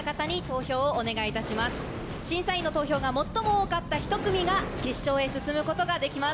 審査員の投票が最も多かった１組が決勝へ進むことができます。